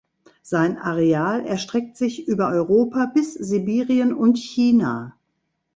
Sein Areal erstreckt sich über Europa bis Sibirien und China.